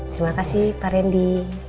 terima kasih pak rendy